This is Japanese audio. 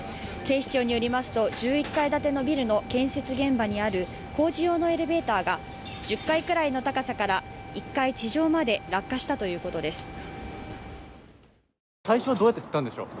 警視庁によりますと、１１階建てビルの建設現場にある工事用のエレベーターが１０階くらいの高さから１階地上まで落下したということです。